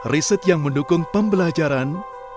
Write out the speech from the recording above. riset yang mendukung pembelajaran